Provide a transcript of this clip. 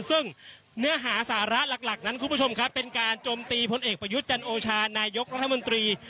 ซึ่งเนื้อหาสาระหลักนั้นคุณผู้ชมครับเป็นการจมตีพลเอกประยุทธ์จันโอชานายกรัฐมนตรี